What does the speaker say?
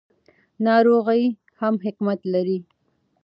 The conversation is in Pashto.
ناروغي هم حکمت لري.